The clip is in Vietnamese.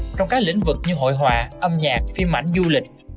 trong các lĩnh vực như hội họa âm nhạc phim ảnh du lịch